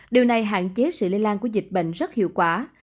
điều này hạn chế sự lây lan của dịch bệnh rất hiệu quả